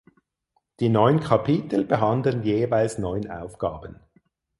Die neun Kapitel behandeln jeweils neun Aufgaben.